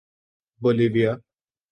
Bolivia